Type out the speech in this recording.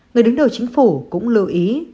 người đứng đầu chính phủ cũng lưu ý